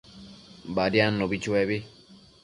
Badiadnubi chuebi